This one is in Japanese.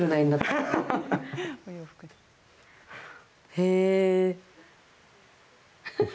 へえ。